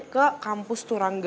ke kampus turangga